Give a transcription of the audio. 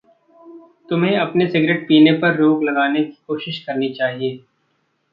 तुम्हें अपने सिगरेट पीने पर रोक लगाने की कोशिश करनी चाहिए।